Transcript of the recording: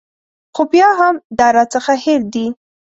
خو بیا هم دا راڅخه هېر دي.